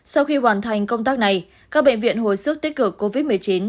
sau khi hoàn thành công tác này các bệnh viện hồi sức tích cực covid một mươi chín